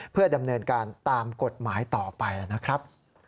เพื่อดำเนินการตามกฎหมายต่อไปนะครับ